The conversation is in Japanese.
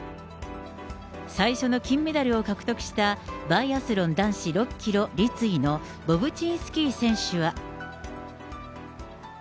最初の金メダルを獲得したバイアスロン男子６キロ立位のボブチンスキー選手は。